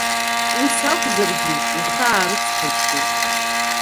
Ус акәзаргьы, ихы аарыцҳаишьеит.